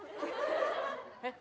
えっ？